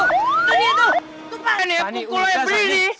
tuh kan ya pukulnya beli nih